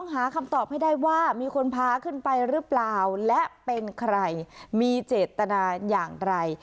หาคำตอบให้ได้ว่ามีคนพาขึ้นไปหรือเปล่าและเป็นใครมีเจตนาอย่างไร